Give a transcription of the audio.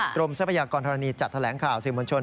ทรัพยากรธรณีจัดแถลงข่าวสื่อมวลชน